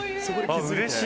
うれしい！